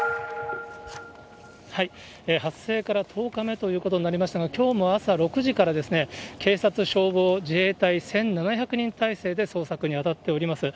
発生から１０日目ということになりましたが、きょうも朝６時から、警察、消防、自衛隊、１７００人態勢で捜索に当たっております。